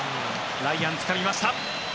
ライアン、つかみました。